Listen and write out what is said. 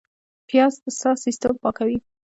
پیاز د ساه سیستم پاکوي